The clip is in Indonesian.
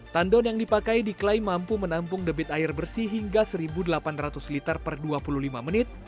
tandon yang dipakai diklaim mampu menampung debit air bersih hingga satu delapan ratus liter per dua puluh lima menit